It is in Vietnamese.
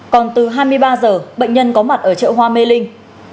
còn từ hai mươi ba h bệnh nhân có mặt ở chợ hoa mê linh